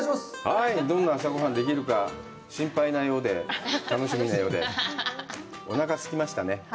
どんな朝ごはんができるか、心配なようで、楽しみなようで、おなかすきましたね。